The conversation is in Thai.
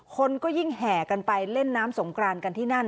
คนก็ยิ่งแห่กันไปเล่นน้ำสงกรานกันที่นั่น